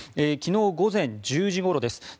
昨日午前１０時ごろです。